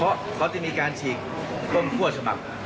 เพราะเขาจะมีการฉีกต้นคั่วฉบับ